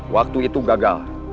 waktu itu gagal